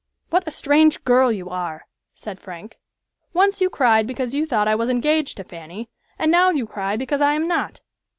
"What a strange girl you are!" said Frank. "Once you cried because you thought I was engaged to Fanny, and now you cry because I am not."